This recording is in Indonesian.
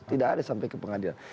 tidak ada sampai ke pengadilan